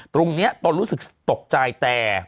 ตอนนี้ตอนรู้สึกตกใจแต่